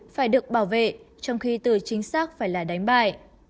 phải được bảo vệ trong khi từ chính xác phải là đánh bại